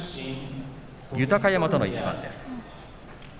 豊山との対戦です。